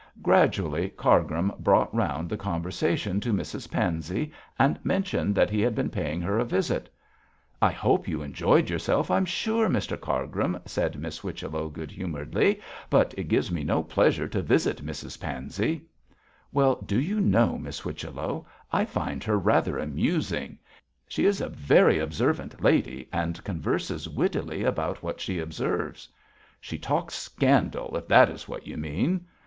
Gradually Cargrim brought round the conversation to Mrs Pansey and mentioned that he had been paying her a visit. 'I hope you enjoyed yourself, I'm sure, Mr Cargrim,' said Miss Whichello, good humouredly, 'but it gives me no pleasure to visit Mrs Pansey.' 'Well, do you know, Miss Whichello, I find her rather amusing. She is a very observant lady, and converses wittily about what she observes.' 'She talks scandal, if that is what you mean.'